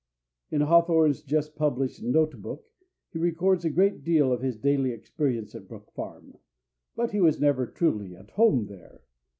In Hawthorne's just published Note Book he records a great deal of his daily experience at Brook Farm. But he was never truly at home there.